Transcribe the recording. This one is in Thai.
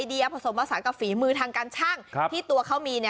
ที่ตัวเค้ามีต้องการชิดแพลกนะ